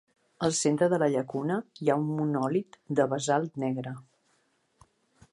Al centre de la llacuna hi ha un monòlit de basalt negre.